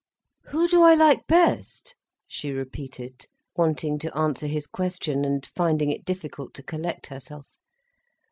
"Who do I like best?" she repeated, wanting to answer his question, and finding it difficult to collect herself.